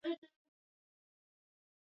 na falme nyingi Tangu karne ya kumi